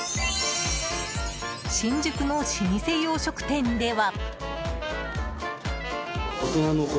新宿の老舗洋食店では。